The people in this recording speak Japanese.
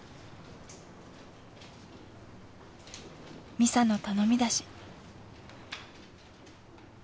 ［美沙の頼みだし］